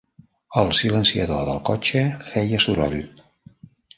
El silenciador del cotxe feia soroll.